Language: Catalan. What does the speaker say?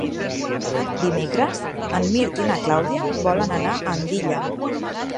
Dimecres en Mirt i na Clàudia volen anar a Andilla.